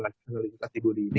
kesehatan tiburi ini